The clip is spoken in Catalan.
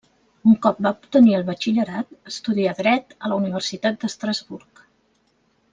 Un cop va obtenir el batxillerat, estudià dret a la Universitat d'Estrasburg.